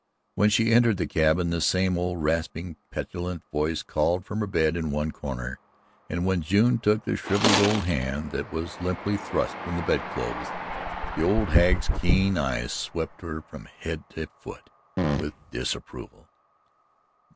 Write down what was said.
When she entered the cabin, the same old rasping petulant voice called her from a bed in one corner, and when June took the shrivelled old hand that was limply thrust from the bed clothes, the old hag's keen eyes swept her from head to foot with disapproval.